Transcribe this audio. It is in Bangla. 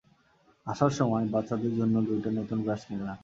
আসার সময়, বাচ্চাদের জন্য দুইটা নতুন ব্রাশ কিনলাম।